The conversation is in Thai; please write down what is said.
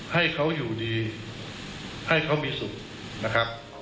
ให้เขาอยู่ดีให้เขามีสุข